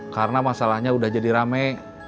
karena masalahnya udah jadi rame